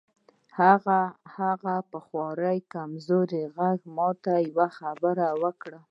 هغه په خورا کمزوري غږ ماته یوه خبره وکړه